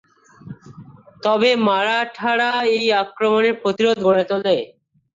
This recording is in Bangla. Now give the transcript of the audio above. তবে মারাঠারা এই আক্রমণে প্রতিরোধ গড়ে তোলে।